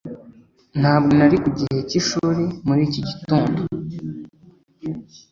ntabwo nari ku gihe cy'ishuri muri iki gitondo